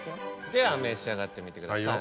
では召し上がってみてください